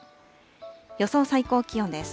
予想最高気温です。